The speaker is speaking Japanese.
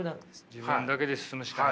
自分だけで進むしかない。